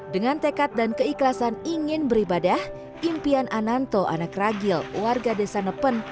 dengan tekad dan keikhlasan ingin beribadah impian ananto anak ragil warga desa nepen